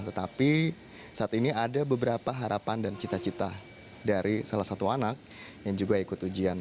tetapi saat ini ada beberapa harapan dan cita cita dari salah satu anak yang juga ikut ujian